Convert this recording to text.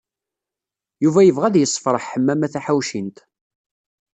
Yuba yebɣa ad yessefṛeḥ Ḥemmama Taḥawcint.